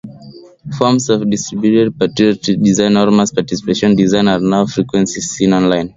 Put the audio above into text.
Forms of distributed participatory design, or mass-participatory design, are now most frequently seen online.